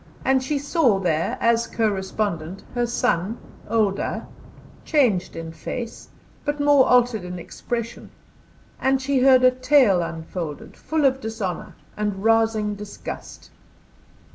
And she saw there as co respondent her son, older, changed in face, but more altered in expression. And she heard a tale unfolded full of dishonour, and rousing disgust.